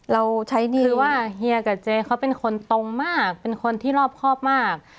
เราใช้หนี้คือว่าเฮียกับเจเขาเป็นคนตรงมากเป็นคนที่รอบครอบมาก